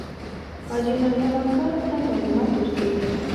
حاجي مریم اکا راته معلومات ورکوي.